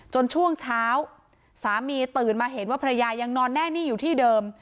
ช่วงเช้าสามีตื่นมาเห็นว่าภรรยายังนอนแน่นิ่งอยู่ที่เดิม